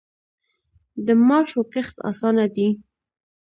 د ماشو کښت اسانه دی.